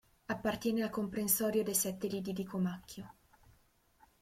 Appartiene al comprensorio dei sette Lidi di Comacchio.